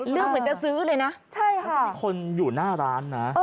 เลือกเหมือนจะซื้อเลยนะใช่ค่ะ